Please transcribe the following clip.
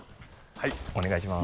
はいお願いします。